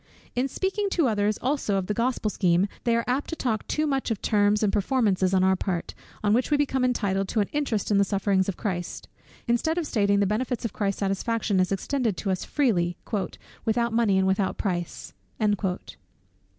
In speaking to others also of the Gospel scheme, they are apt to talk too much of terms and performances on our part, on which we become entitled to an interest in the sufferings of Christ; instead of stating the benefits of Christ's satisfaction as extended to us freely, "without money and without price."